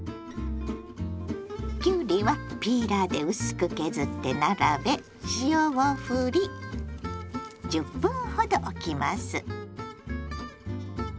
きゅうりはピーラーで薄く削って並べ塩をふり１０分ほどおきます。